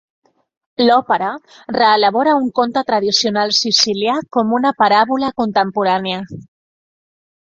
L'òpera reelabora un conte tradicional sicilià com una paràbola contemporània.